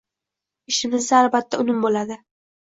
Ishimizda albatta unum boʻladi.